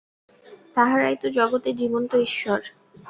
তাঁহারাই তো জগতের জীবন্ত ঈশ্বর।